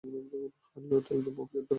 হার্লোতে একজন অফিসার দরকার।